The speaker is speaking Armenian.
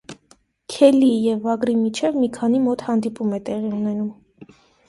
Քելիի և վագրի միջև մի քանի մոտ հանդիպում է տեղի ունենում։